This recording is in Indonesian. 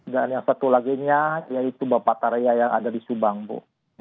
dan yang satu laginya yaitu bapak tarya yang ada di subang bu